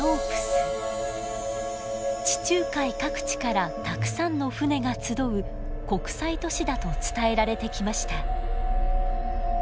地中海各地からたくさんの船が集う国際都市だと伝えられてきました。